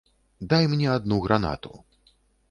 Дай мне адну гранату.